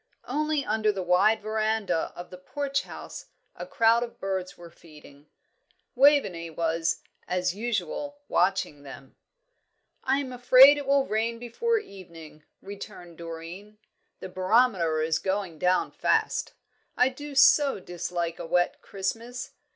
Only under the wide verandah of the Porch House a crowd of birds were feeding. Waveney was, as usual, watching them. "I am afraid it will rain before evening," returned Doreen. "The barometer is going down fast. I do so dislike a wet Christmas."